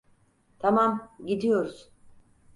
Tamam, gidiyoruz.